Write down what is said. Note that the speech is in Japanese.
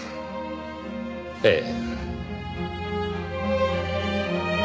ええ。